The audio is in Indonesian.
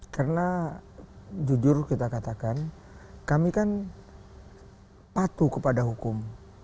karena jujur kita katakan kami kan patuh kepada hukum